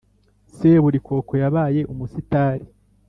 seburikoko yabaye umusitari?